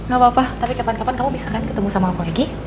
gapapa tapi kapan kapan kamu bisa kan ketemu sama aku lagi